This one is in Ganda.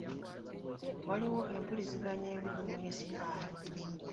Waliwo empuliziganya embi ku munisipaali.